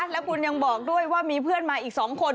แล้วคุณยังบอกด้วยว่ามีเพื่อนมาอีก๒คน